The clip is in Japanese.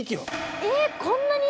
えこんなに？